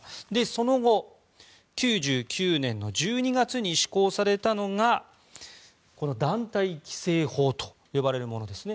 その後、１９９９年の１２月に施行されたのが団体規制法と呼ばれるものです。